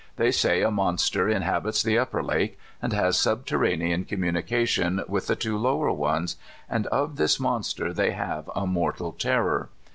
They say a monster inhabits the upper lake, and has subterranean com munication with the two lower ones, and of this monster they have a mortal terror.